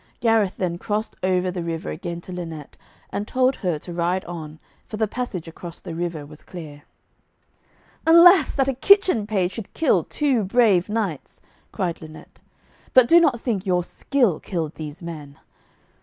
Gareth then crossed over the river again to Lynette, and told her to ride on, for the passage across the river was clear. 'Alas, that a kitchen page should kill two brave knights!' cried Lynette. 'But do not think your skill killed these men.'